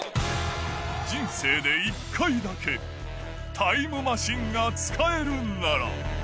人生で１回だけタイムマシンが使えるなら。